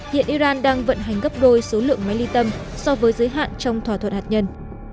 hiện iran đang vận hành gấp đôi số lượng máy ly tâm so với giới hạn trong thỏa thuận